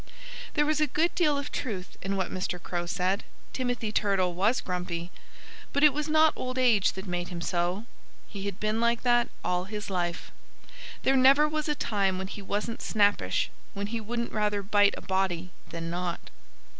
There was a good deal of truth in what Mr. Crow said. Timothy Turtle was grumpy. But it was not old age that made him so. He had been like that all his life. There never was a time when he Wasn't snappish, when he wouldn't rather bite a body than not.